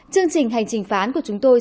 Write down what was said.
chương trình hành trình phán của chúng tôi